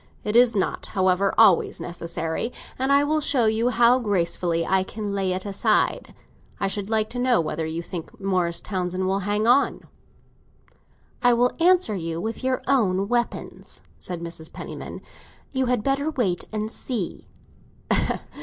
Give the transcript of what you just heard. It is not, however, always necessary, and I will show you how gracefully I can lay it aside. I should like to know whether you think Morris Townsend will hang on." "I will answer you with your own weapons," said Mrs. Penniman. "You had better wait and see!"